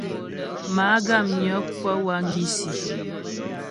Má'a Guamnyə kwə wágisî.